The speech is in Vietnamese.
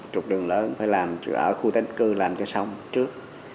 trục đường lớn phải làm ở khu tái định cư làm cho sông trước